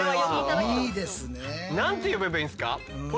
何て呼べばいいんですか？